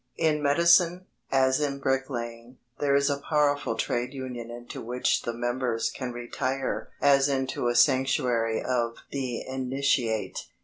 In medicine, as in bricklaying, there is a powerful trade union into which the members can retire as into a sanctuary of the initiate.